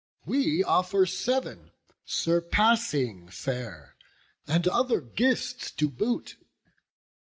we offer sev'n, Surpassing fair, and other gifts to boot.